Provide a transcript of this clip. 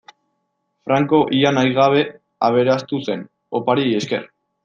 Franco ia nahi gabe aberastu zen, opariei esker.